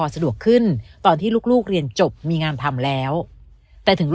สะดวกขึ้นตอนที่ลูกเรียนจบมีงานทำแล้วแต่ถึง